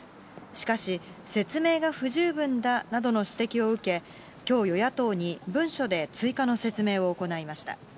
しかし、説明が不十分だなどの指摘を受け、きょう、与野党に文書で追加の説明を行いました。